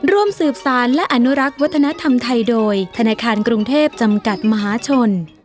ร่วมสืบสารและอนุรักษ์วัฒนธรรมไทยโดยธนาคารกรุงเทพจำกัดมหาชน